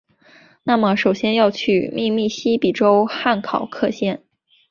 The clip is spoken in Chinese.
那么首先要去密西西比州汉考克县！